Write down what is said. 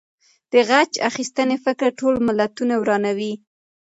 د غچ اخیستنې فکر ټول ملتونه ورانوي.